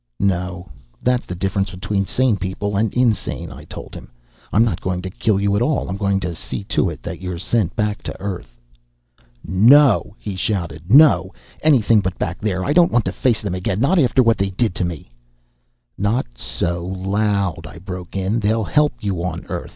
"No. That's the difference between sane people and insane," I told him. "I'm not going to kill you at all. I'm going to see to it that you're sent back to Earth." "No!" he shouted. "No! Anything but back there. I don't want to face them again not after what they did to me " "Not so loud," I broke in. "They'll help you on Earth.